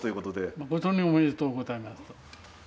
「誠におめでとうございます」と。